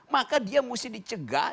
maka dia mesti dicegah